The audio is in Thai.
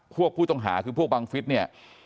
ผู้ต้องหาคือพวกบังฟิศเนี่ย